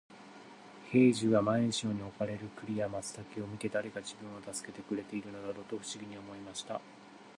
兵十は毎日のように置かれる栗や松茸を見て、誰が自分を助けてくれているのだろうと不思議に思いました。